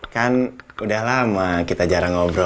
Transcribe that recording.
kan udah lama kita jarang ngobrol